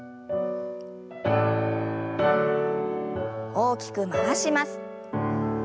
大きく回します。